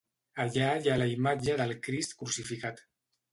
Allà hi ha la imatge del crist crucificat.